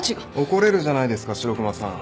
怒れるじゃないですか白熊さん。